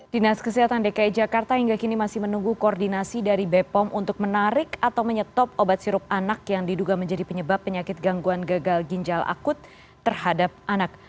dinas kesehatan dki jakarta hingga kini masih menunggu koordinasi dari bepom untuk menarik atau menyetop obat sirup anak yang diduga menjadi penyebab penyakit gangguan gagal ginjal akut terhadap anak